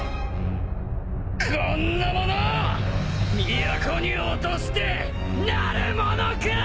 こんなもの都に落としてなるものかぁ！